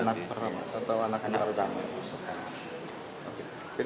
anak pertama atau anak anak pertama